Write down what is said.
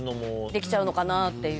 できちゃうのかなっていう。